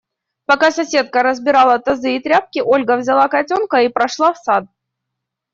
Пока соседка разбирала тазы и тряпки, Ольга взяла котенка и прошла в сад.